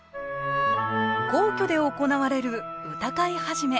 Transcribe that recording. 皇居で行われる歌会始。